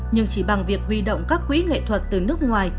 nhưng chỉ bằng việc huy động các quỹ nghệ thuật từ nước ngoài